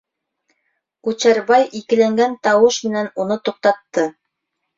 Күчәрбай, икеләнгән тауыш менән уны туҡтатты: